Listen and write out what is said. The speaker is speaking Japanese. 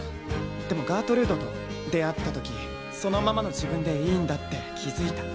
でもガートルードと出会った時そのままの自分でいいんだって気付いた。